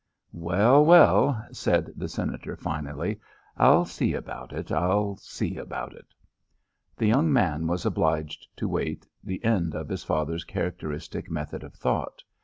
"Well, well," said the Senator finally. "I'll see about it. I'll see about it." The young man was obliged to await the end of his father's characteristic method of thought.